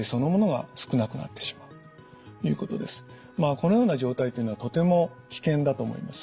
このような状態というのはとても危険だと思います。